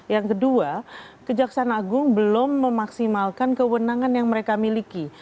yang kedua kejaksaan agung belum memaksimalkan kewenangan yang mereka miliki